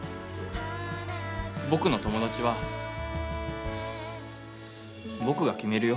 僕の友達は僕が決めるよ。